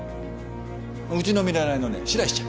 うちの見習いのね白石ちゃん。